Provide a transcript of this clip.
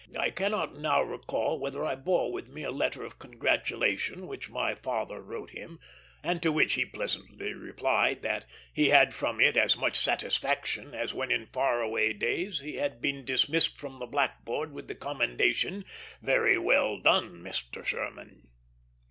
I cannot now recall whether I bore with me a letter of congratulation which my father wrote him, and to which he pleasantly replied that he had from it as much satisfaction as when in far away days he had been dismissed from the blackboard with the commendation, "Very well done, Mr. Sherman."